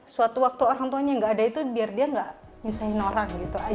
suatu waktu orang tuanya nggak ada itu biar dia gak nyusahin orang gitu aja